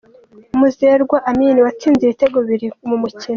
Muzerwa Amin watsinze ibitego bibiri mu mukino.